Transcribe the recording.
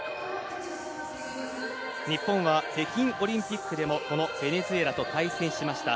日本は北京オリンピックでもこのベネズエラと対戦しました。